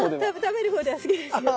食べるほうでは好きですよ。